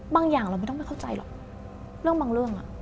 อย่างเราไม่ต้องไม่เข้าใจหรอกเรื่องบางเรื่องอ่ะ